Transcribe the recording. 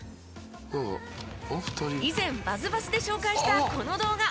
以前バズバスで紹介したこの動画。